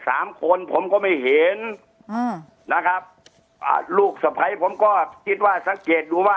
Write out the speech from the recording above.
สามคนผมก็ไม่เห็นอ่านะครับอ่าลูกสะพ้ายผมก็คิดว่าสังเกตดูว่า